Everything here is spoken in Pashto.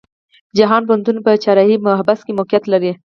جهان پوهنتون په چهارراهی محبس کې موقيعت لري.